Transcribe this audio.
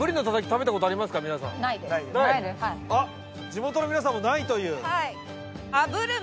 地元の皆さんもないという。